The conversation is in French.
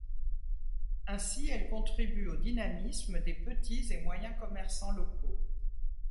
Ainsi, elle contribue au dynamisme des petits et moyens commerçants locaux.